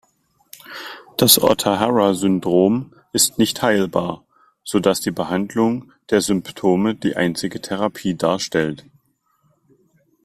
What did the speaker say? Das Ohtahara-Syndrom ist nicht heilbar, sodass die Behandlung der Symptome die einzige Therapie darstellt.